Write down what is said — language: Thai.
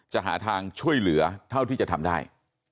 หาทางช่วยเหลือเท่าที่จะทำได้